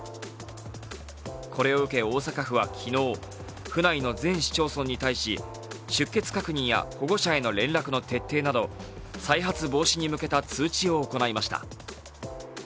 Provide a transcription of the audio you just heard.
これを受け、大阪府は昨日府内の全市町村に対し出欠確認や保護者への連絡の徹底など再発防止に向けた通知を行いました。